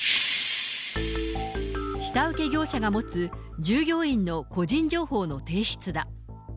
下請け業者が持つ従業員の個人情報の提出だ。